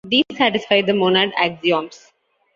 These satisfy the monad axioms.